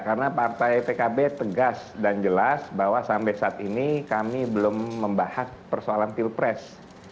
karena partai pkb tegas dan jelas bahwa sampai saat ini kami belum membahas persoalan pilpres